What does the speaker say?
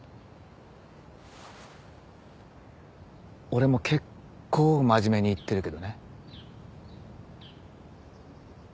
俺も結構真面目に言ってるけどね。